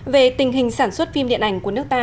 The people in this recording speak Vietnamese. về tình hình sản xuất phim điện ảnh của nước ta